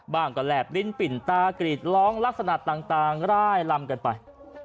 ก็แหลบลิ้นปิ่นตากรีดร้องลักษณะต่างร่ายลำกันไป